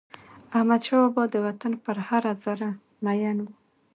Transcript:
احمدشاه بابا د وطن پر هره ذره میین و.